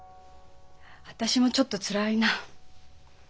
私もちょっとつらいな。